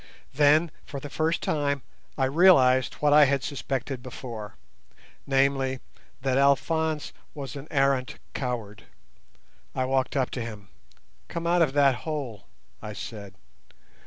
Then, for the first time, I realised what I had suspected before—namely, that Alphonse was an arrant coward. I walked up to him. "Come out of that hole," I said.